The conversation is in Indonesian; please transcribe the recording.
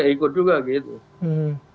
ya ikut juga gitu